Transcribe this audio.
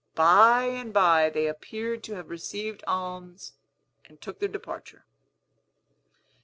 By and by they appeared to have received alms, and took their departure.